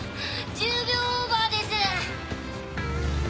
１０秒オーバーです。